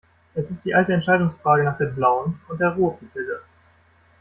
Es ist die alte Entscheidungsfrage nach der blauen und der roten Pille.